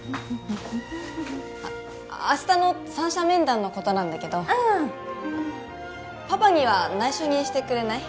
あ明日の三者面談のことなんだけどああパパには内緒にしてくれない？